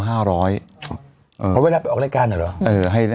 เพราะเวลาไปออกรายการเหรอ